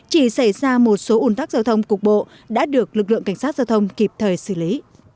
chỉ xảy ra một số ủn tắc giao thông cục bộ đã được lực lượng cảnh sát giao thông kịp thời xử lý